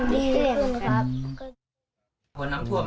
ดีขึ้นครับ